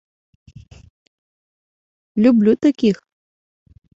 Люблю таких.